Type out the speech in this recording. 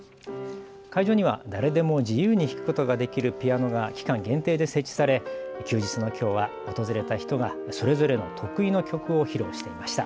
会場には誰でも自由に弾くことができるピアノが期間限定で設置され、休日のきょうは訪れた人がそれぞれの得意の曲を披露しました。